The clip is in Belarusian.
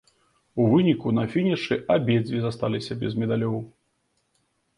У выніку на фінішы абедзве засталіся без медалёў.